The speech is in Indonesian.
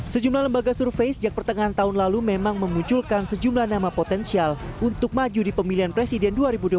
sejumlah lembaga survei sejak pertengahan tahun lalu memang memunculkan sejumlah nama potensial untuk maju di pemilihan presiden dua ribu dua puluh empat